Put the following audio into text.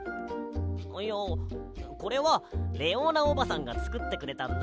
いやこれはレオーナおばさんがつくってくれたんだ。